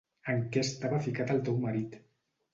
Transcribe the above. En què estava ficat el teu marit.